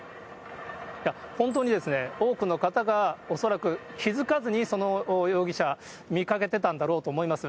本当に多くの方が、恐らく気づかずにその容疑者、見かけてたんだろうと思います。